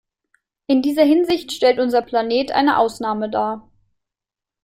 In dieser Hinsicht stellt unser Planet eine Ausnahme dar.